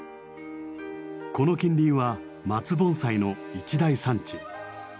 この近隣は松盆栽の一大産地。